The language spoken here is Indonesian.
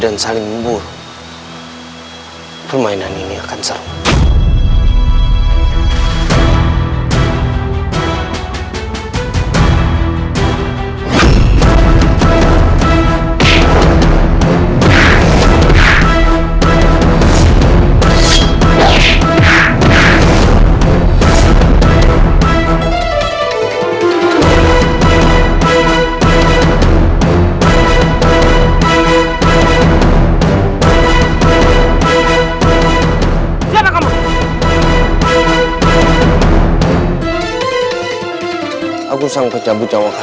aku akan membantu kamu mencari tanpa bagiku